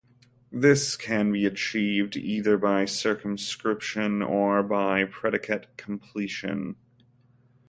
This can be achieved either by circumscription or by predicate completion.